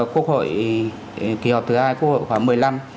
quốc hội kỳ họp thứ hai quốc hội khóa một mươi năm